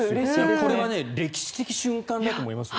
これは歴史的瞬間だと思いますよ。